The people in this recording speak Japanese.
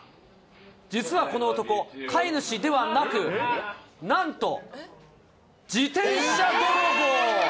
実はこの男、飼い主ではなく、なんと、自転車泥棒。